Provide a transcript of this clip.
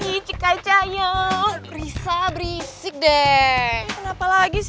ini sukar kalau dianggap seperti rumahmu di inggris